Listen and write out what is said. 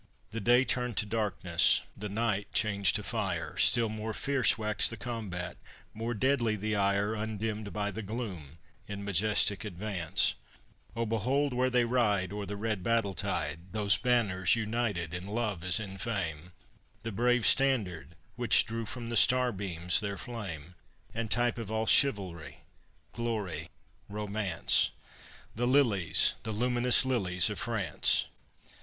The day turned to darkness, the night changed to fire, Still more fierce waxed the combat, more deadly the ire, Undimmed by the gloom, in majestic advance, Oh, behold where they ride o'er the red battle tide, Those banners united in love as in fame, The brave standard which drew from the starbeams their flame, And type of all chivalry, glory, romance, The lilies, the luminous lilies of France.